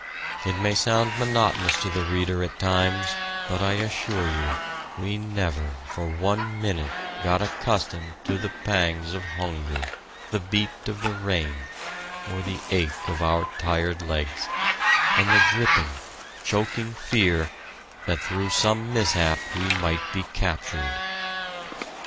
It may sound monotonous to the reader at times, but I assure you, we never, for one minute, got accustomed to the pangs of hunger, the beat of the rain, or the ache of our tired legs, and the gripping, choking fear that through some mishap we might be captured.